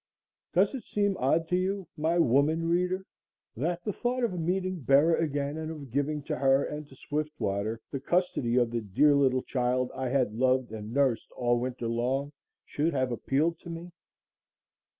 Does it seem odd to you, my woman reader, that the thought of meeting Bera again and of giving to her and to Swiftwater the custody of the dear little child I had loved and nursed all winter long, should have appealed to me?